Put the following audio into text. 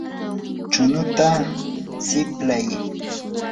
chunuta siplay.